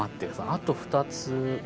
あと２つ。